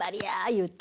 言うて。